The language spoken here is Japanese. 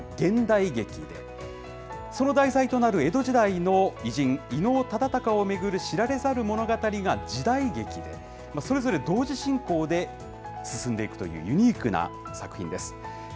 地元に大河ドラマを誘致したいと奮闘する人たちが現代劇で、その題材となる江戸時代の偉人、伊能忠敬を巡る知られざる物語が時代劇で、それぞれ同時進行で進んでいくという、ユニークな作品です。